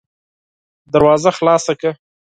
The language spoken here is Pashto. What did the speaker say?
دروازه خلاصه کړه!